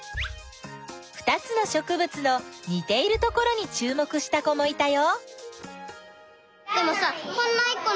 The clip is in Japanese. ２つのしょくぶつのにているところにちゅうもくした子もいたよ。